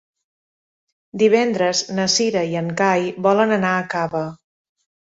Divendres na Cira i en Cai volen anar a Cava.